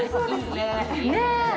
ねえ。